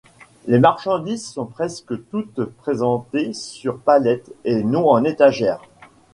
Les marchandises sont presque toutes présentées sur palettes et non en étagères.